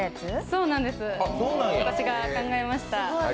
そうなんです、私が考えました。